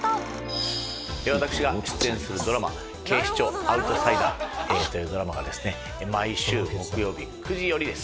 私が出演するドラマ『警視庁アウトサイダー』というドラマがですね毎週木曜日９時よりです。